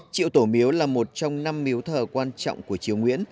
triệu tổ miếu là một trong năm miếu thờ quan trọng của triều nguyễn